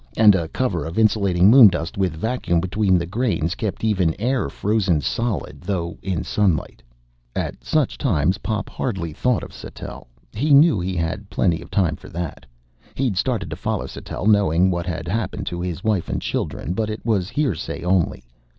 And a cover of insulating moondust with vacuum between the grains kept even air frozen solid, though in sunlight. At such times Pop hardly thought of Sattell. He knew he had plenty of time for that. He'd started to follow Sattell knowing what had happened to his wife and children, but it was hearsay only.